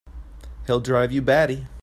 He'll drive you batty!